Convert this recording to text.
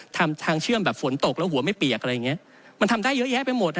ทำทางเชื่อมแบบฝนตกแล้วหัวไม่เปียกมันทำได้เยอะแยะไปหมดนะ